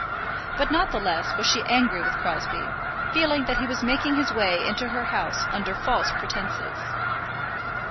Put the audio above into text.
But not the less was she angry with Crosbie, feeling that he was making his way into her house under false pretences.